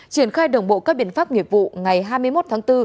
triển khai đồng bộ các biện pháp nghiệp vụ ngày hai mươi một tháng bốn